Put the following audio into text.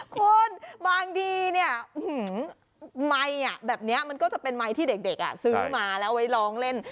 คุณบางทีไมค์มันก็จะเป็นไมค์ที่เด็กซื้อมาแล้วไว้ลองเล่น